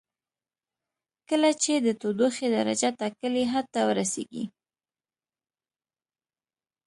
کله چې د تودوخې درجه ټاکلي حد ته ورسیږي.